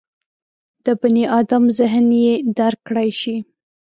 د بني ادم ذهن یې درک کړای شي.